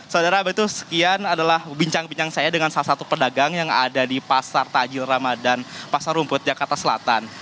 saudara betul sekian adalah bincang bincang saya dengan salah satu pedagang yang ada di pasar takjil ramadan pasar rumput jakarta selatan